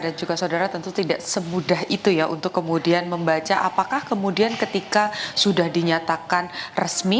juga saudara tentu tidak semudah itu ya untuk kemudian membaca apakah kemudian ketika sudah dinyatakan resmi